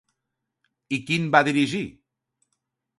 I quin va dirigir?